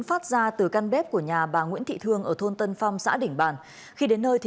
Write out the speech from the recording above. phát ra từ căn bếp của nhà bà nguyễn thị thương ở thôn tân phong xã đỉnh bàn khi đến nơi thì